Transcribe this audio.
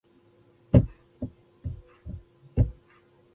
نوې نوي مړي يې کړي وو.